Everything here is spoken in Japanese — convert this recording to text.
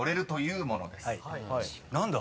何だ？